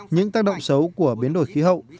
những tác động xấu của biến đổi khí hậu